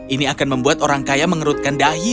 ini akan membuat orang kaya mengerutkan dahi